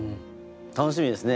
楽しみですね。